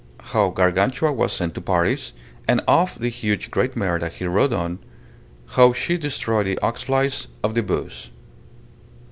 How Gargantua was sent to Paris, and of the huge great mare that he rode on; how she destroyed the oxflies of the Beauce.